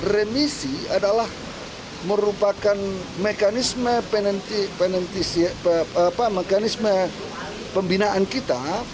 remisi adalah merupakan mekanisme pembinaan kita